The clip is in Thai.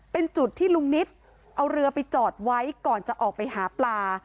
เป็นจุดที่ลุงนิตเอาเรือไปจอดไว้ก่อนจะออกไปหาปลา